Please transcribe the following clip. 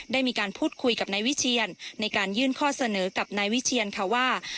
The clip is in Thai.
ได้มีการพูดคุยกับนายวิเชียนในการยื่นข้อเสนอกับนายวิเชียนค่ะว่า